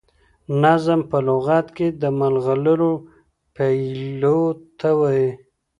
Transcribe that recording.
نظم په لغت کي د ملغرو پېيلو ته وايي.